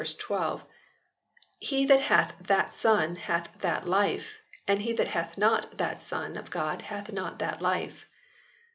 12 "He that hath that Son hath that life : and he that hath not that Son of God hath not that life."